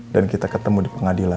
dan kita ketemu di pengadilan